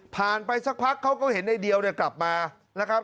ไปสักพักเขาก็เห็นในเดียวเนี่ยกลับมานะครับ